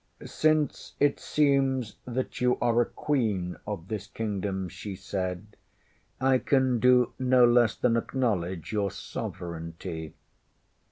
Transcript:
ŌĆśSince it seems that you are a Queen of this Kingdom, ŌĆÖ she said, ŌĆśI can do no less than acknowledge your sovereignty.